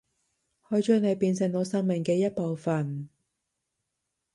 去將你變成我生命嘅一部份